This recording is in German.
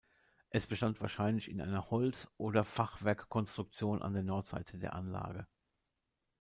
Es bestand wahrscheinlich in einer Holz- oder Fachwerkkonstruktion an der Nordseite der Anlage.